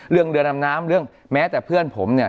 เรือดำน้ำเรื่องแม้แต่เพื่อนผมเนี่ย